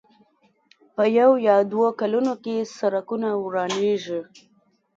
په يو يا دوو کلونو کې سړکونه ورانېږي.